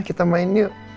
kita main yuk